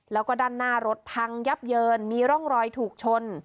แล้วก็ด้านหน้ารถพังยับเยินมีร่องรอยถูกชน